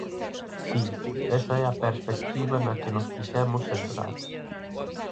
Si, esa é a perspectiva na que nos quixemos centrar.